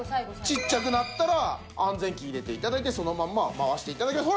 ちっちゃくなったら安全器入れて頂いてそのまま回して頂きます。